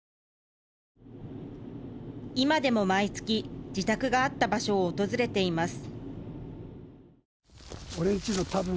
今でも毎月、自宅があった場所を訪れています。